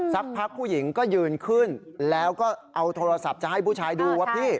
สักพักผู้หญิงก็ยืนขึ้นแล้วก็เอาโทรศัพท์จะให้ผู้ชายดูว่าพี่